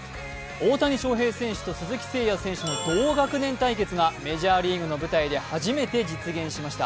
大谷翔平選手と鈴木誠也選手の同学年対決がメジャーリーグの舞台で初めて実現しました。